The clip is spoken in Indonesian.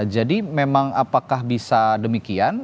memang apakah bisa demikian